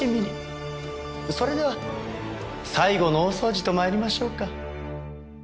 それでは最後の大掃除と参りましょうか。